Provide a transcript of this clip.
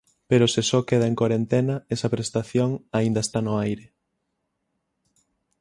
Pero se só queda en corentena, esa prestación aínda está no aire.